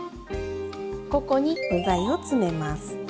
ここに具材を詰めます。